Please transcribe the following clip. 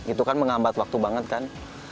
itu kan menghambat waktu banget kan